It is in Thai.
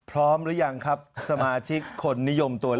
พร้อมหรือยังครับสมาชิกคนนิยมตัว